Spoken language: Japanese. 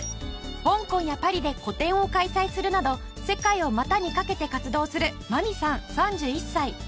香港やパリで個展を開催するなど世界を股にかけて活動する万美さん３１歳。